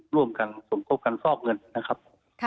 ร่วมกันสมคบกันฟอกเงินนะครับ